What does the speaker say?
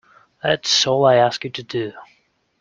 That's all I ask you to do.